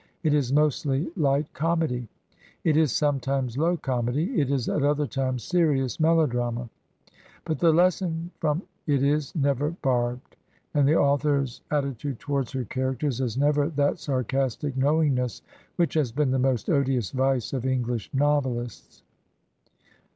It is mostly light comedy; it is sometimes low comedy; it is at other times serious melodrama; but the lesson from it is never barbed, and the author's at titude towards her characters has never that sarcastic knowingness which has been the most odious vice of Enghsh noveUsts.